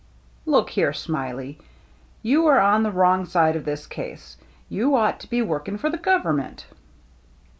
" Look here. Smiley, you are on the wrong side of this case. You ought to be working for the government."